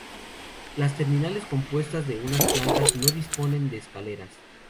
Las terminales, compuestas de una plantas, no disponen de escaleras.